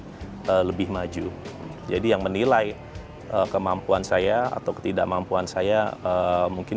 yang membawa pkpi lebih maju jadi yang menilai kemampuan saya atau ketidakmampuan saya mungkin